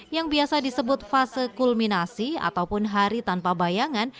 yang biasa disebut fase kulminasi ataupun hari tanpa bayangan